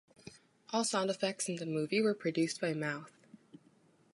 All sound effects in the movie were produced by mouth.